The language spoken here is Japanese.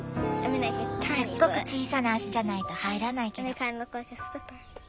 すっごく小さな足じゃないと入らないけど。